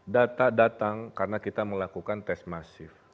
data datang karena kita melakukan tes masif